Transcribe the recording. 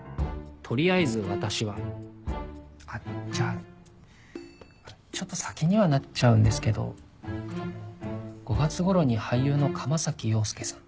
取りあえず私はあじゃあちょっと先にはなっちゃうんですけど５月頃に俳優の釜崎洋介さん